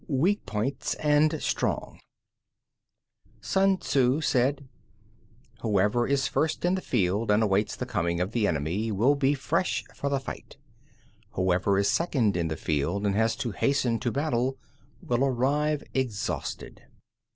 WEAK POINTS AND STRONG 1. Sun Tzŭ said: Whoever is first in the field and awaits the coming of the enemy, will be fresh for the fight; whoever is second in the field and has to hasten to battle, will arrive exhausted.